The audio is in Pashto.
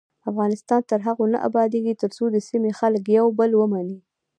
افغانستان تر هغو نه ابادیږي، ترڅو د سیمې خلک یو بل ومني.